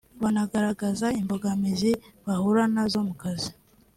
banagaragaza imbogamizi bahura na zo mu kazi